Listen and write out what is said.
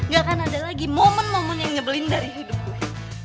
gak akan ada lagi momen momen yang nyebelin dari hidup gue